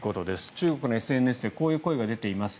中国のＳＮＳでこういう声が出ています。